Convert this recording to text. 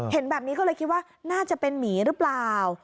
เห็นแบบนี้ก็เลยคิดว่าน่าจะเป็นหมีหรือเปล่า